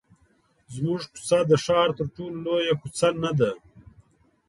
زموږ کوڅه د ښار تر ټولو لویه کوڅه نه ده.